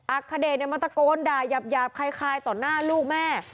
อัพคเดตนั้นมันตะโกนด่าหยาบหยาบคล้ายคล้ายต่อหน้าลูกแม่